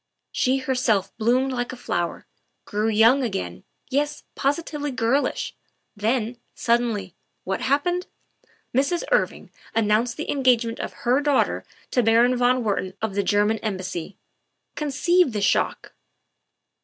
She, herself, bloomed like a flower; grew young again yes, posi tively girlish. Then, suddenly, what happened? Mrs. Irving announced the engagement of her daughter to Baron von Wertman of the German Embassy. Conceive the shock."